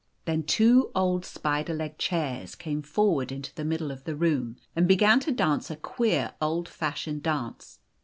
Then two old spider legged chairs came forward into the middle of the room, and began to dance a queer, old fashioned dance.